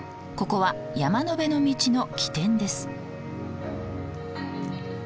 ここは山辺の道の起点です。